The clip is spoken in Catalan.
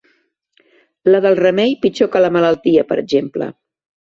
La del remei pitjor que la malaltia, per exemple.